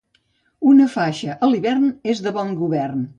Una faixa, a l'hivern, és de bon govern.